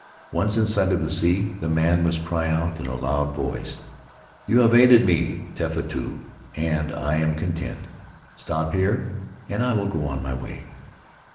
Once in sight of the sea, the man must cry out in a loud voice, 'You have aided me, Tefatu, and I am content; stop here and I will go on my way.'